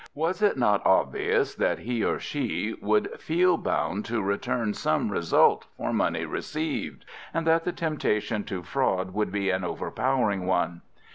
Was it not obvious that he or she would feel bound to return some result for money received, and that the temptation to fraud would be an overpowering one?